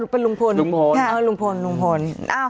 เป็นลุงพลลุงพล